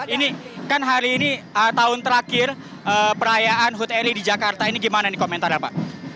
ini kan hari ini tahun terakhir perayaan hut eli di jakarta ini gimana nih komentarnya pak